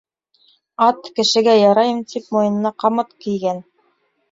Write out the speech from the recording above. Ат, кешегә ярайым тип, муйынына ҡамыт кейгән.